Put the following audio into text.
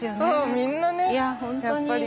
みんなねやっぱり。